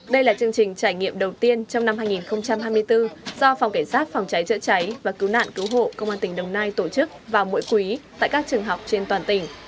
đây là chương trình trải nghiệm đầu tiên trong năm hai nghìn hai mươi bốn do phòng cảnh sát phòng cháy chữa cháy và cứu nạn cứu hộ công an tỉnh đồng nai tổ chức vào mỗi quý tại các trường học trên toàn tỉnh